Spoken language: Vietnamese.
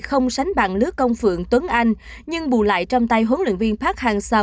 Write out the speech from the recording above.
không sánh bằng lứa công phượng tuấn anh nhưng bù lại trong tay huấn luyện viên park hang seo